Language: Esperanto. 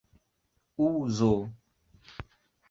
uzo